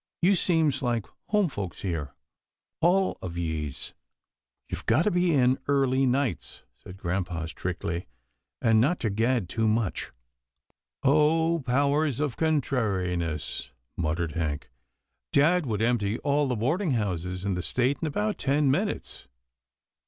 You seems like home folks here — all of yees." 326 'TILDA JANE'S ORPHANS " You've got to be in early nights," said grampa, strictly, " and not gad too much." *'Oh! powers of contrariness," muttered Hank, " Dad would empty all the boarding houses in the state in about ten minutes."